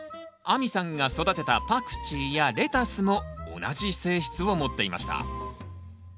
亜美さんが育てたパクチーやレタスも同じ性質を持っていました。